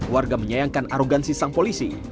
warga menyayangkan arogansi sang polisi